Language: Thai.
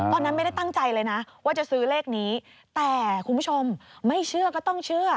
ตอนนั้นไม่ได้ตั้งใจเลยนะว่าจะซื้อเลขนี้แต่คุณผู้ชมไม่เชื่อก็ต้องเชื่อ